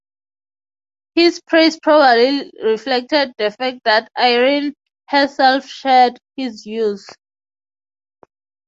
His praise probably reflected the fact that Irene herself shared his views.